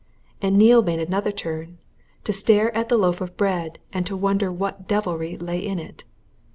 And Neale made another turn to stare at the loaf of bread and to wonder what devilry lay in it.